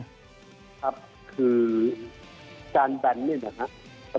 ครับคือการแบนเนี่ยนะครับ